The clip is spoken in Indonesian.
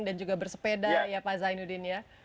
dan juga bersepeda ya pak zainuddin ya